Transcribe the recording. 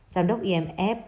giám đốc imf